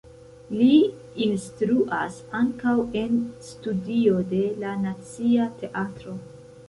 Li instruas ankaŭ en studio de la Nacia Teatro.